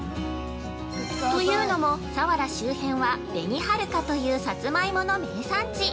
というのも、佐原周辺は紅はるかというさつまいもの名産地！